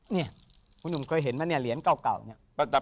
นี่ผู้หนุ่มเคยเห็นมึงเหลียนเก่า